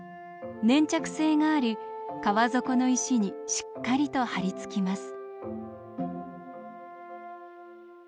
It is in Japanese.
粘着性があり川底の石にしっかりとはり付きます。